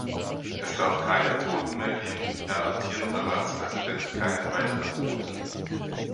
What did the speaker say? Es darf keinen Toten mehr geben, Herr amtierender Ratspräsident, keinen weiteren Toten.